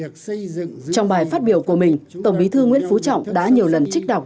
trong bài phát biểu của mình tổng bí thư nguyễn phú trọng đã nhiều lần trích đọc